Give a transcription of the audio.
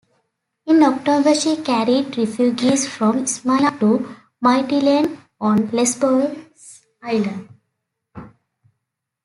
In October she carried refugees from Smyrna to Mytilene on Lesbos Island.